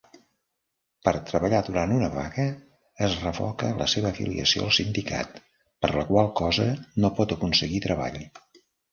Per treballar durant una vaga, es revoca la seva afiliació al sindicat, per la qual cosa no pot aconseguir treball.